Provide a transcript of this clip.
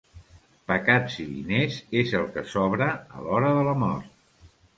Pecats i diners és el que sobra a l'hora de la mort.